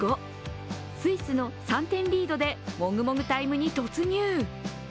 スイスの３点リードでもぐもぐタイムに突入。